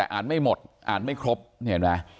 อ่านไม่หมดอ่านไม่ครบนี่เห็นไหม